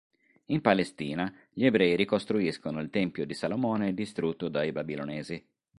In Palestina gli Ebrei ricostruiscono il Tempio di Salomone distrutto dai Babilonesi.